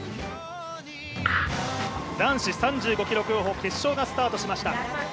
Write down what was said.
男子３５ｋｍ競歩決勝がスタートしました。